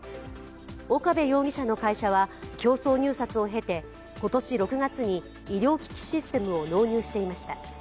岡部容疑者の会社は、競争入札を経て今年６月に医療機器システムを納入していました。